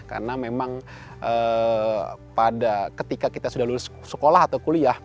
karena memang pada ketika kita sudah lulus sekolah atau kuliah